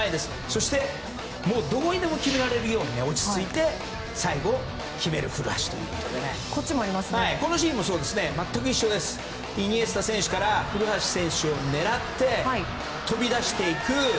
そしてどこにでも決められるように落ち着いて最後は決めるフルハシということでこのシーンも全く一緒でイニエスタ選手から古橋選手を狙って飛び出していく。